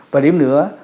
và điểm nữa